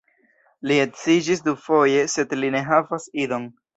Li edziĝis dufoje, sed li ne havas idon.